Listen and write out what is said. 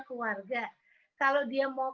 keluarga kalau dia mau